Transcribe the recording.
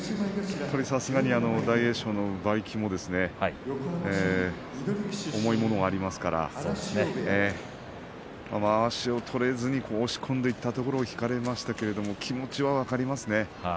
さすがに大栄翔の馬力も重いものがありますからまわしを取れずに、押し込んでいったところを引かれましたけれど気持ちは分かりますね。